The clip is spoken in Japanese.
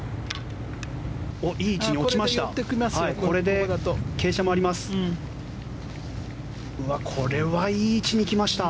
いい位置に落ちました。